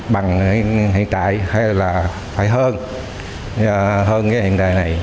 bằng hiện tại hay là phải hơn cái hiện đại này